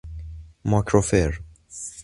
ماکروفر